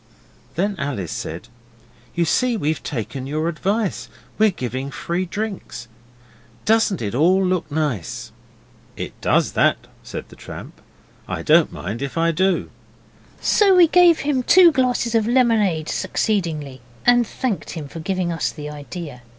Then Alice said, 'You see we've taken your advice; we're giving free drinks. Doesn't it all look nice?' 'It does that,' said the tramp. 'I don't mind if I do.' So we gave him two glasses of lemonade succeedingly, and thanked him for giving us the idea.